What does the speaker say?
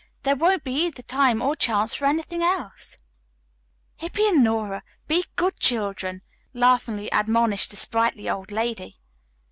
There won't be either time or chance for anything else." "Hippy and Nora, be good children," laughingly admonished the sprightly old lady.